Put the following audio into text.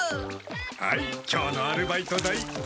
はい今日のアルバイト代。